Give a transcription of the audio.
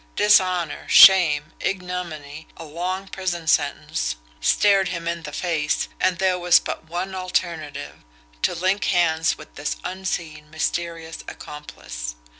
Dishonour, shame, ignominy, a long prison sentence, stared him in the face, and there was but one alternative to link hands with this unseen, mysterious accomplice.